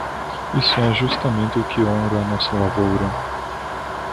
É isso justamente o que honra a nossa lavoura.